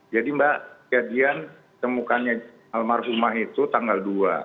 jadi mbak kejadian temukannya almarhumah itu tanggal dua